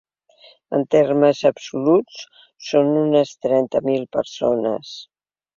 En termes absoluts, són unes trenta mil persones.